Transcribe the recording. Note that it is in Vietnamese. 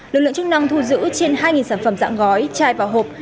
lực lượng chức năng thu giữ trên hai sản phẩm dạng gói chai và hộp